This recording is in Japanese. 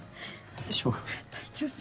大丈夫？